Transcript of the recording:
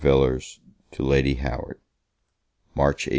VILLARS TO LADY HOWARD March 18.